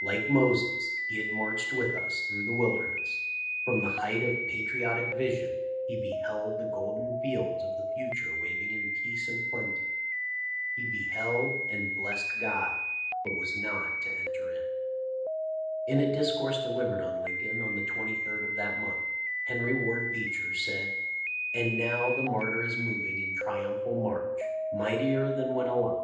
Like Moses, he had marched with us through the wilderness. From the height of patriotic vision he beheld the golden fields of the future waving in peace and plenty. He beheld, and blessed God, but was not to enter in." In a discourse delivered on Lincoln on the 23d of that month, Henry Ward Beecher said: "And now the martyr is moving in triumphal march, mightier than when alive.